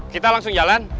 kita langsung jalan